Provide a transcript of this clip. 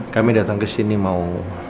kami datang kesini mau